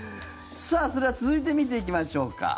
それでは続いて見ていきましょうか。